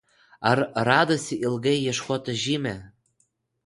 ar radosi ilgai ieškota žymė